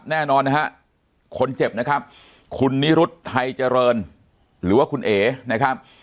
แน่นอนนะฮะคนเจ็บนะครับคุณนิรุธไทยเจริญหรือว่าคุณเอ๋นะครับ